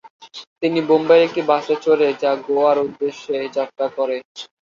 তিনি বোম্বাইয়ের একটি বাসে চড়ে যা গোয়ার উদ্দেশ্যে যাত্রা করে।